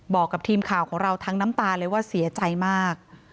บอกกับทีมข่าวของเราทั้งน้ำตาเลยว่าเสียใจมาก